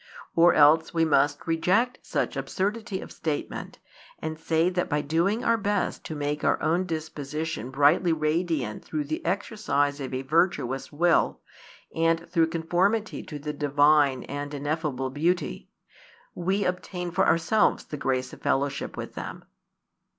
Or else we must reject such absurdity of statement, and say that by doing our best to make our own disposition brightly radiant through the exercise of a virtuous will and through conformity to the Divine and ineffable beauty, we obtain for ourselves the grace of fellowship with Them.